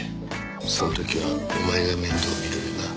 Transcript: そん時はお前が面倒見ろよな。